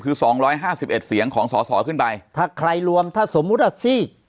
คือสองร้อยห้าสิบเอ็ดเสียงของสอสอขึ้นไปถ้าใครรวมถ้าสมมุติว่าซีก